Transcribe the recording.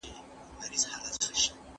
ټول انسانان د ازادۍ حق لري.